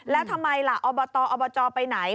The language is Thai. และทำไมล่ะเอาบัตรออกไปไหน